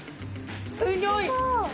すギョい！